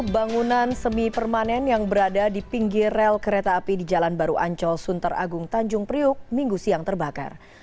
bangunan semi permanen yang berada di pinggir rel kereta api di jalan baru ancol sunter agung tanjung priuk minggu siang terbakar